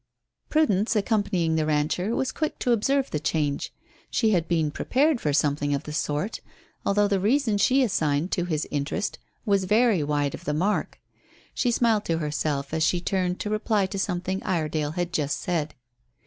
Prudence, accompanying the rancher, was quick to observe the change. She had been prepared for something of the sort, although the reason she assigned to his interest was very wide of the mark. She smiled to herself as she turned to reply to something Iredale had just said.